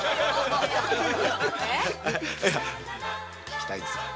聞きたいですか？